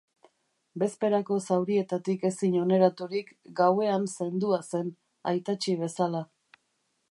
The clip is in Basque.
Bezperako zaurietatik ezin oneraturik, gauean zendua zen, aitatxi bezala.